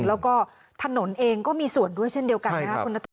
แล้วก็ถนนเองก็มีส่วนด้วยเช่นเดียวกันนะครับคุณนัทธ